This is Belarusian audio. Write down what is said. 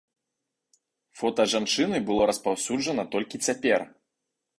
Фота жанчыны было распаўсюджана толькі цяпер.